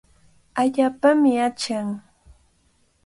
Allaapami achan.